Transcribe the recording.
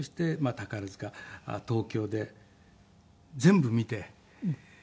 宝塚東京で全部見て。